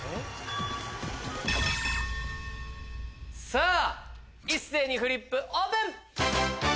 さぁ一斉にフリップオープン！